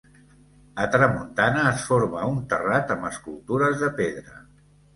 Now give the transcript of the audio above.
A tramuntana es forma un terrat amb escultures de pedra.